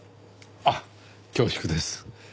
あっ恐縮です。